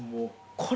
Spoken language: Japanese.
これ。